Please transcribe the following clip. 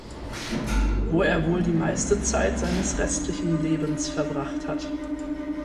Wo er wohl die meiste Zeit seines restlichen Lebens verbracht hat.